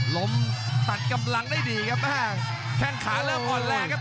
ล้มตัดกำลังได้ดีครับแข้งขาเริ่มอ่อนแรงครับ